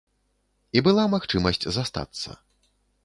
І была магчымасць застацца.